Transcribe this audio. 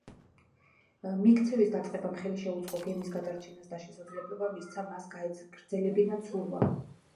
მიქცევის დაწყებამ ხელი შეუწყო გემის გადარჩენას და შესაძლებლობა მისცა მას გაეგრძელებინა ცურვა.